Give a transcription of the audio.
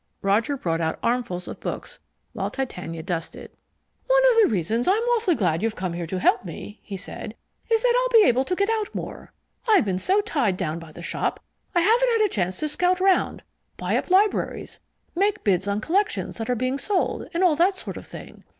Roger brought out armfuls of books while Titania dusted. "One of the reasons I'm awfully glad you've come here to help me," he said, "is that I'll be able to get out more. I've been so tied down by the shop, I haven't had a chance to scout round, buy up libraries, make bids on collections that are being sold, and all that sort of thing.